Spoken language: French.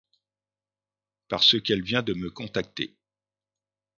Parce qu'elle vient de me contacter.